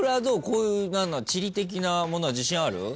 こういう地理的なものは自信ある？